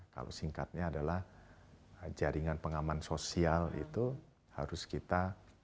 kalau singkatnya adalah jaringan pengaman sosial itu harus kita